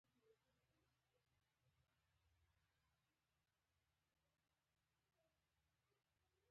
جاذبه بې تماس قوه ده.